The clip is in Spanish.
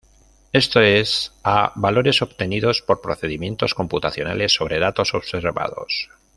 Esto es, a valores obtenidos por procedimientos computacionales sobre datos observados.